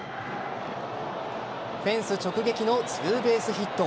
フェンス直撃のツーベースヒット。